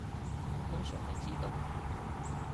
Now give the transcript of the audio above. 通常係自動